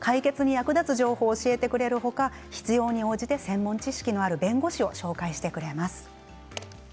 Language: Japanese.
解決に役立つ情報を教えてくれる他必要に応じて専門知識のある弁護士を紹介してくれます。